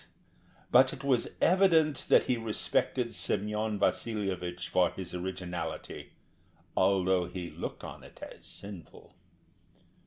But it was evident that he respected Semyon Vasilyevich for his originality, although he looked on it as sinful.